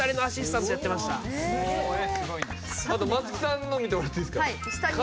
あと松木さんの見てもらっていいですか？